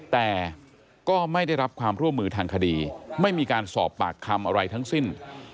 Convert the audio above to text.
แต่ก็ไม่ได้รับความร่วมมือทางคดีไม่มีการสอบปากคำอะไรทั้งสิ้น